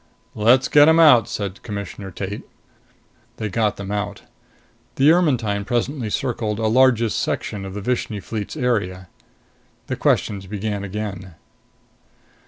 "Let's get them out," said Commissioner Tate. They got them out. The Ermetyne presently circled a largish section of the Vishni Fleet's area. The questions began again.